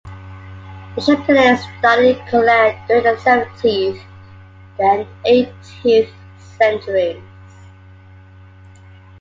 Bishop Kennett studied Colet during the seventeenth and eighteenth centuries.